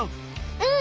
うん。